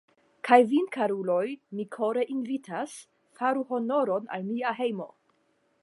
Kaj vin, karuloj, mi kore invitas, faru honoron al mia hejmo!